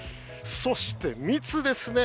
そして密ですね。